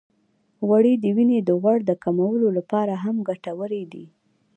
غوړې د وینې د غوړ د کمولو لپاره هم ګټورې دي.